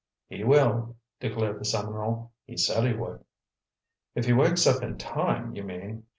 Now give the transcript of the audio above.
"He will—" declared the Seminole. "He said he would." "If he wakes up in time, you mean.